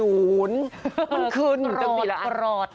มันขึ้นตั้งสีละอันรอด